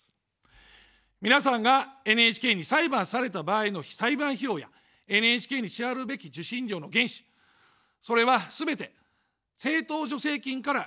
皆さんがＮＨＫに裁判された場合の裁判費用や、ＮＨＫに支払うべき受信料の原資、それはすべて政党助成金から捻出されます。